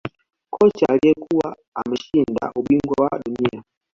Kocha aliyekuwa ameshinda ubingwa wa dunia